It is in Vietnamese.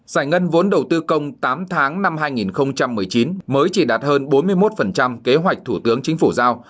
giải ngân vốn đầu tư công tám tháng năm hai nghìn một mươi chín mới chỉ đạt hơn bốn mươi một kế hoạch thủ tướng chính phủ giao